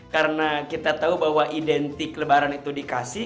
karena kita tahu bahwa identik lebaran itu dikasih